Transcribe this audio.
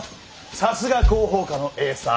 さすが広報課のエースだ！